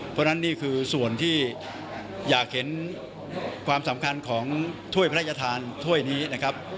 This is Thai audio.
เพราะฉะนั้นนี่คือส่วนที่อยากเห็นความสำคัญของถ้วยพระราชทานถ้วยนี้นะครับ